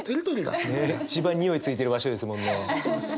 一番匂いついてる場所ですもんね。